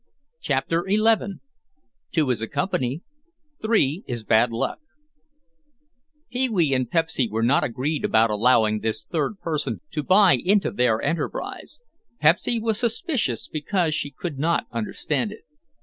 CHAPTER XI TWO IS A COMPANY—THREE IS BAD LUCK Pee wee and Pepsy were not agreed about allowing this third person to buy into their enterprise. Pepsy was suspicious because she could not understand it.